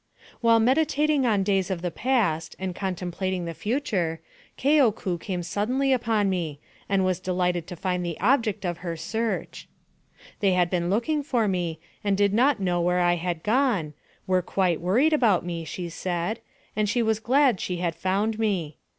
While meditating on days of the past, and contem plating the future, Keoku came suddenly upon me, and was delighted to find the object of her search. They had been looking for me, and did not know where I had gone, were quite worried about me, she said, and she was glad she had found me.